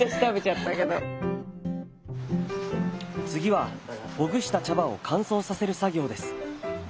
次はほぐした茶葉を乾燥させる作業です。